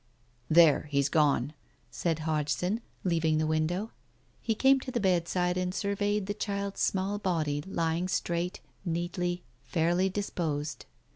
"There, he's gone!" said Hodgson, leaving the window. He came to the bedside and surveyed the child's small body lying straight, neatly, fairly disposed.